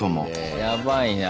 やばいなぁ。